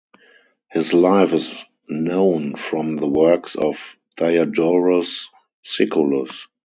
His life is known from the works of Diodorus Siculus.